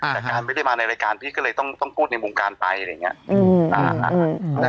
แต่การไม่ได้มาในรายการพี่ก็เลยต้องพูดในวงการไปอะไรอย่างนี้